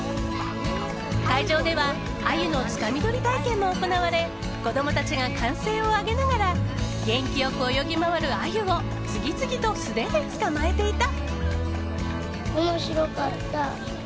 会場ではアユのつかみ取り体験も行われ子供たちが歓声を上げながら元気良く泳ぎ回るアユを次々と素手で捕まえていた。